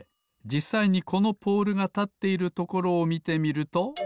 じっさいにこのポールがたっているところをみてみると。